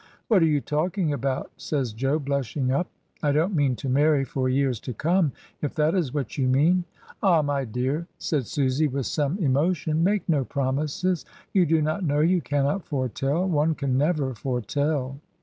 "What are you talking about?" says Jo, blushing up. "I don't mean to marry for years to come, if that is what you mean." "Ah, my dear," said Susy, with some emotion, "make no promises; you do not know; you cannot foretell. One can never foretell."